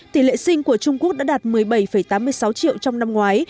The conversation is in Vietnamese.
tỷ lệ sinh của trung quốc đã đạt một mươi bảy tám mươi sáu triệu trong năm ngoái